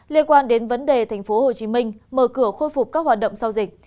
liên quan đến vấn đề thành phố hồ chí minh mở cửa khôi phục các hoạt động sau dịch